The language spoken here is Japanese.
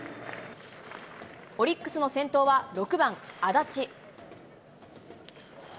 オリックスの先頭は６番安達。